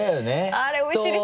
あれおいしいですよね。